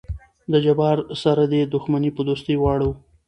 د جبار سره دې دښمني په دوستي واړو.